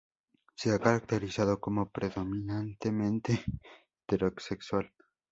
Se ha caracterizado como "predominantemente heterosexual".